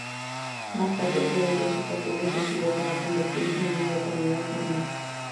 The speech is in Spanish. Más tarde perdería su papel defensivo para convertirse en una localidad normal.